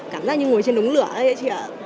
cảm giác như ngồi trên đống lửa hay đấy chị ạ